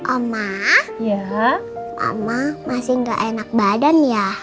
oma mama masih gak enak badan ya